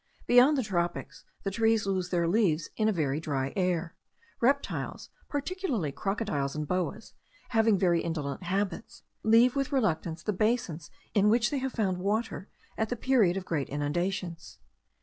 Beyond the tropics the trees lose their leaves in a very dry air. Reptiles, particularly crocodiles and boas, having very indolent habits, leave with reluctance the basins in which they have found water at the period of great inundations.